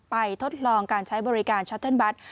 ทดลองการใช้บริการชัตเติ้ลบัตร